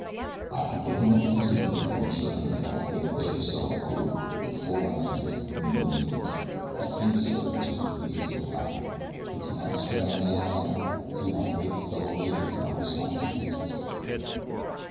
"I can get him up peaceably if I can assure him that he'll only get a day or so in the cooler, with full rations and no beatings. I think, sir, that that will be the easiest way out of it. We cannot spare a man now if we want to get the fellow later we can always find some pretext."